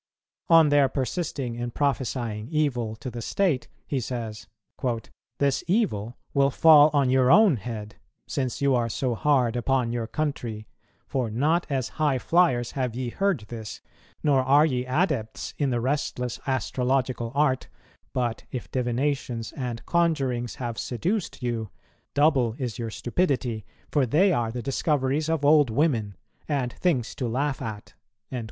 On their persisting in prophesying evil to the state, he says, "This evil will fall on your own head, since you are so hard upon your country; for not as high flyers have ye heard this, nor are ye adepts in the restless astrological art, but if divinations and conjurings have seduced you, double is your stupidity; for they are the discoveries of old women and things to laugh at."